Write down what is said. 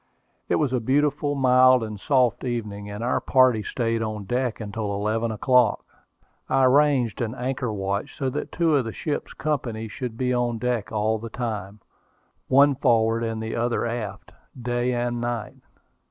It was a beautiful, mild, and soft evening, and our party stayed on deck until eleven o'clock. I arranged an anchor watch, so that two of the ship's company should be on deck all the time, one forward and the other aft, day and night.